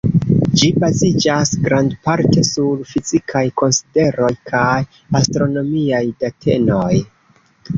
Ĝi baziĝas grandparte sur fizikaj konsideroj kaj astronomiaj datenoj.